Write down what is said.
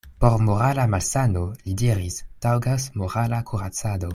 Por morala malsano, li diris, taŭgas morala kuracado.